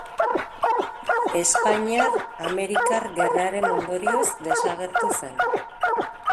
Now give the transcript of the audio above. Espainiar-amerikar gerraren ondorioz desagertu zen.